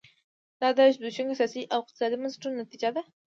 دا د زبېښونکو سیاسي او اقتصادي بنسټونو نتیجه ده.